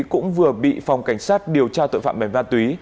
cũng vừa bị phòng cảnh sát điều tra tội phạm về ma túy